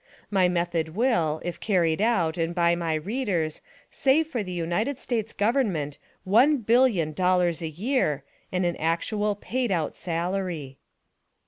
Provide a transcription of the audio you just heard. My method will, if carried out, and by my READERS, save for the UNITED STATES GOVERNMENT, ONE BILLION DOLLARS A YEAR, and in actual, paid out SALARY.